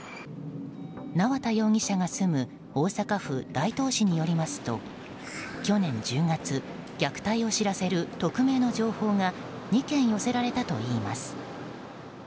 縄田容疑者が住む大阪府大東市によりますと去年１０月虐待を知らせる匿名の情報が２件寄せられたといいます。